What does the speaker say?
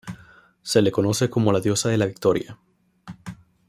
Se le conoce como La Diosa de la Victoria.